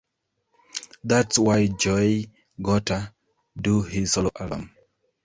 That's why Joey gotta do his solo album.